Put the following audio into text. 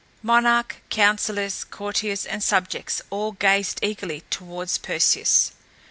Monarch, counselors, courtiers and subjects all gazed eagerly toward Perseus.